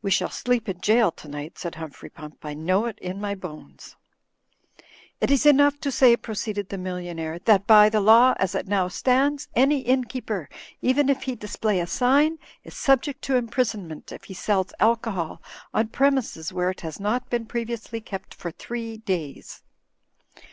''We shall sleep in jail tonight," said Humphrey Pump. "I know it in my bones." "It is enough to say," proceeded the millionaire, "that by the law as it now stands, any innkeeper, even if he display a sign, is subject to imprisonment if he sells alcohol on premises where it has not been pre viously kept for diree days."